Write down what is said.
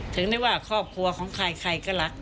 ถึงได้ว่าครอบครัวของใครใครก็รัก